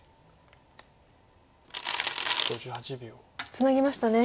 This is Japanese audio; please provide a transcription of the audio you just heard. ツナぎましたね。